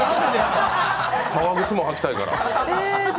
革靴も履きたいから。